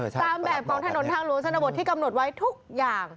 ตามแบบของถนนทางหลวงชนบทที่กำหนดไว้ทุกอย่าง